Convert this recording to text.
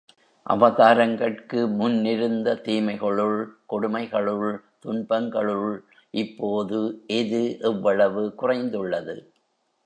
அவதாரங்கட்கு முன் இருந்த தீமைகளுள் கொடுமை களுள் துன்பங்களுள் இப்போது எது எவ்வளவு குறைந்துள்ளது?